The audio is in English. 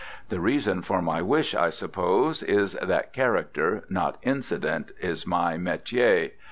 The reason for my wish, I suppose, is that character, not incident, is my metier.